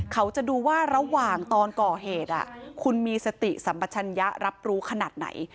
เขาจะดูว่าระหว่างตอนก่อเหตุคุณมีสติสัมปัชญะรับรู้ขนาดไหน